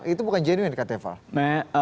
itu bukan genuin kata fah